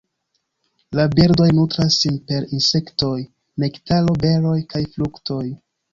La birdoj nutras sin per insektoj, nektaro, beroj kaj fruktoj.